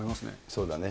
そうだね。